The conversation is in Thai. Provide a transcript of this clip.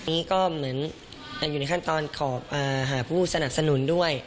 อันนี้ก็เหมือนอยู่ในขั้นตอนขอหาผู้สนับสนุนด้วย